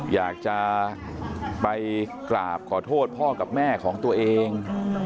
อยากจะไปกราบขอโทษพ่อกับแม่ของตัวเอง